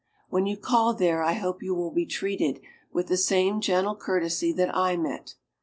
When you call there I hope you will be treated with the same gentle courtesy that I met.